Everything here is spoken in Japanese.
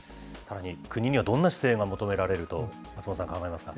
さらに、国にはどんな姿勢が求められると、松本さん、考え